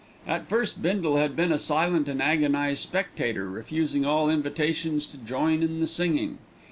At first Bindle had been a silent and agonised spectator, refusing all invitations to join in the singing.